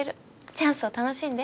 チャンスを楽しんで。